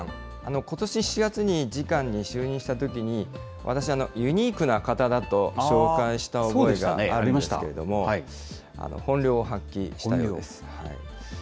ことし７月に次官に就任したときに、私、ユニークな方だと紹介した覚えがあるんですけれども、本領を発揮したようです。